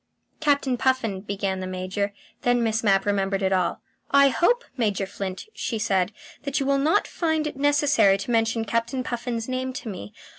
"Captain Puffin," began the Major. Then Miss Mapp remembered it all. "I hope, Major Flint," she said, "that you will not find it necessary to mention Captain Puffin's name to me.